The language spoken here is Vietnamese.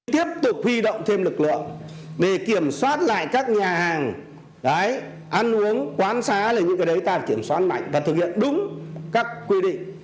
tiếp tục huy động thêm lực lượng để kiểm soát lại các nhà hàng ăn uống quán xá là những cái đấy ta kiểm soát mạnh và thực hiện đúng các quy định